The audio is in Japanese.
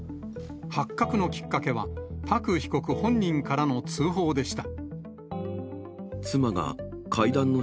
発覚のきっかけは、パク被告本人からの通報でした。